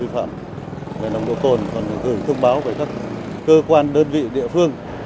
phối hợp công an địa phương